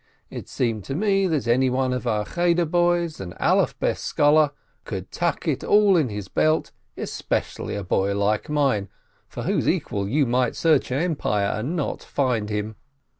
It seemed to me that anyone of our Cheder boys, an Alef Bes scholar, could tuck it all into his belt, especially a boy like mine, for whose equal you might search an empire, and not find him.